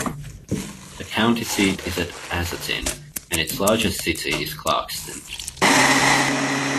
The county seat is at Asotin, and its largest city is Clarkston.